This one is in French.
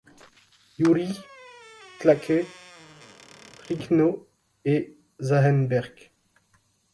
Jurij, Tlake, Trlično et Žahenberc.